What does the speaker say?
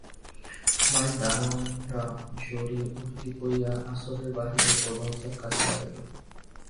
বাড়ির দারোয়ানেরা জরির উর্দি পরিয়া আসরের বাহিরে ও দরজার কাছে দাঁড়াইল।